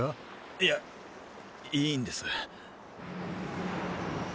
いやいいんです。